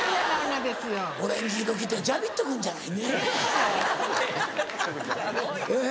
オレンジ色着てジャビット君じゃないねぇ。